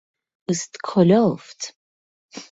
پوستکلفت